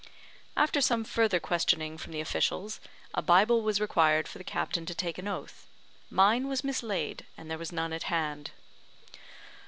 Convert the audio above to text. After some further questioning from the officials, a Bible was required for the captain to take an oath. Mine was mislaid, and there was none at hand.